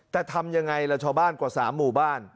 แต่ทำยังไงล่ะชาวบ้านกว่า๓หมู่บ้าน